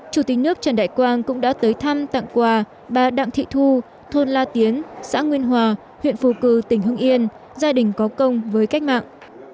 chủ tịch nước trần đại quang cũng đã tới thăm tặng quà bà đạng thị thu thôn la tiến xã nguyên hòa huyện phù cử tỉnh hưng yên gia đình có công với cách mạng